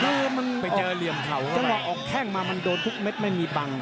เลยมันต่อไปเจอเหลี่ยนเขาก็แก้งมามันโดนทุกเม็ดไม่มีบัง